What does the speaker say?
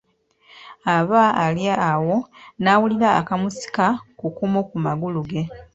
Aba ali awo n'awulira akamusika ku kumu ku magulu ge.